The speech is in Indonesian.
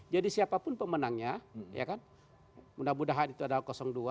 jadi siapapun pemenangnya ya kan mudah mudahan itu adalah dua